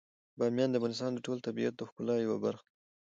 بامیان د افغانستان د ټول طبیعت د ښکلا یوه برخه ده.